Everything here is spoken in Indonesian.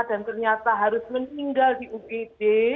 dan ternyata harus meninggal di ugd